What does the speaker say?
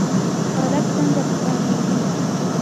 پالک څنګه پاکیږي؟